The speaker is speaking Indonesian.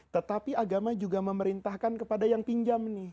tetapi agama juga memerintahkan kepada yang pinjam nih